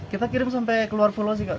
kita kirim sampai ke luar pulau sih kak